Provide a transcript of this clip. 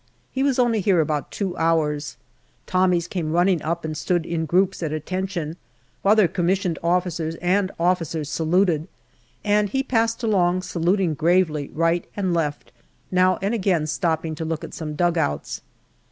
He was only here about two hours. Tommies came running up and stood in groups at attention, while their C.O.'s and officers saluted, and he passed along saluting gravely right and left, now and again stopping to look at some dugouts.